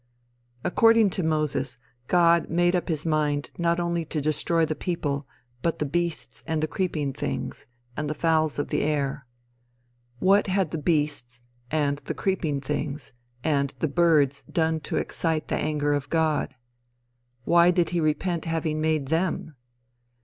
According to Moses, God made up his mind not only to destroy the people, but the beasts and the creeping things, and the fowls of the air. What had the beasts, and the creeping things, and the birds done to excite the anger of God? Why did he repent having made them?